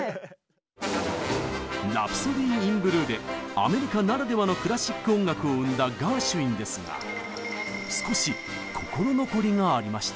「ラプソディー・イン・ブルー」でアメリカならではのクラシック音楽を生んだガーシュウィンですが少し心残りがありました。